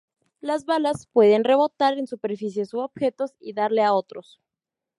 Las balas pueden rebotar en superficies u objetivos y darle a otros.